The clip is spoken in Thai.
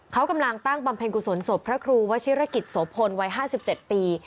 เขากำลังตั้งบำเพ็ญกุศลศพพระครูวชิรกิจโสพลวัย๕๗ปี